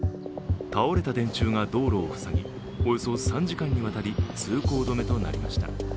倒れた電柱が道路を塞ぎおよそ３時間にわたり通行止めとなりました。